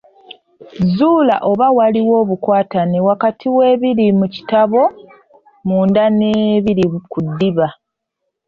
Zuula oba waliwo obukwatane wakati w’ebiri mu kitabo munda n’ebiri ku ddiba.